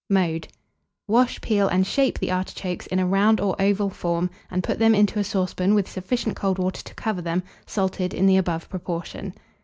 Mode. Wash, peel, and shape the artichokes in a round or oval form, and put them into a saucepan with sufficient cold water to cover them, salted in the above proportion.